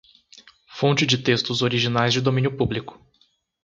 Fonte de textos originais de domínio público.